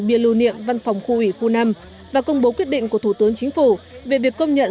bia lưu niệm văn phòng khu ủy khu năm và công bố quyết định của thủ tướng chính phủ về việc công nhận